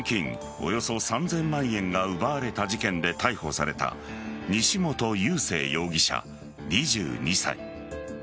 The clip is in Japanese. およそ３０００万円が奪われた事件で逮捕された西本佑聖容疑者、２２歳。